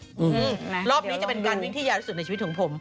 อื้อหือนะเดี๋ยวเราลองดูรอบนี้จะเป็นการวิ่งที่ยาละสุดในชีวิตของผม